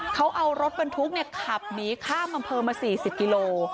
เขาเอารถบรรทุกขับหนีข้ามอำเภอมา๔๐กิโล